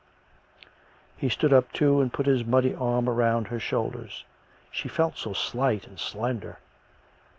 He stood up, too, and put his muddy arm about her shoulders. (She felt so slight and slender.)